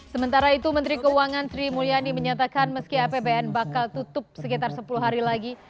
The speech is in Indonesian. sementara itu menteri keuangan sri mulyani menyatakan meski apbn bakal tutup sekitar sepuluh hari lagi